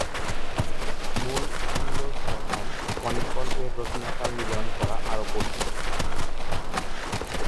মূল "অ্যাংলো-স্যাক্সন ক্রনিকল"-এর রচনাকাল নির্ধারণ করা আরও কঠিন।